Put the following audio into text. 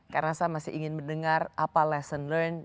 karena saya masih ingin mendengar apa lesson learned